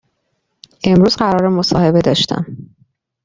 امروز قرار مصاحبه داشتم